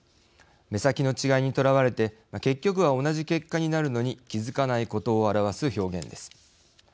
目先の違いにとらわれて結局は同じ結果になるのに気付かないことを表す表現です。